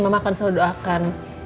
mama akan selalu doakan